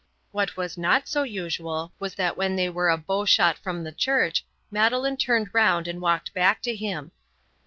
What was not so usual was that when they were a bow shot from the church Madeleine turned round and walked back to him.